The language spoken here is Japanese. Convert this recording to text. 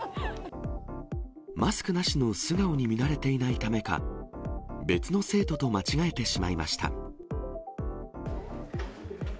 マスクなしの素顔に見慣れていないためか、別の生徒と間違えてしまいました。